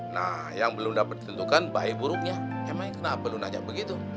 nah yang belum dapat ditentukan bayi buruknya emang kenapa belum nanya begitu